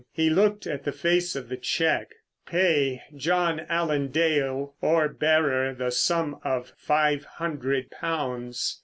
He looked at the face of the cheque. "_Pay John Allen Dale or bearer the sum of five hundred pounds.